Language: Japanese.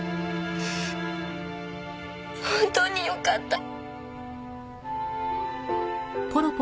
本当によかった。